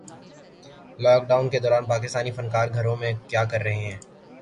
lock Dawn کے دوران پاکستانی فنکار گھروں میں کیا کررہے ہیں